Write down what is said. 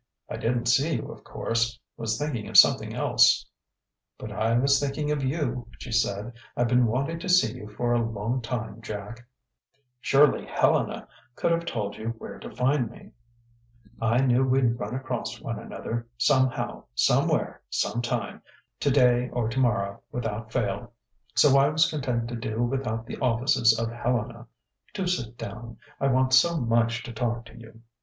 "I didn't see you, of course was thinking of something else " "But I was thinking of you," she said. "I've been wanting to see you for a long time, Jack." "Surely Helena could have told you where to find me...." "I knew we'd run across one another, somehow, somewhere, sometime today or tomorrow, without fail. So I was content to do without the offices of Helena. Do sit down. I want so much to talk to you."